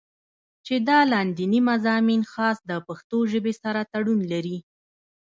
چې دا لانديني مضامين خاص د پښتو ژبې سره تړون لري